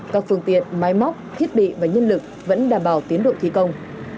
các phương tiện máy móc thiết bị và nhân lực vẫn đảm bảo tiến độ thi công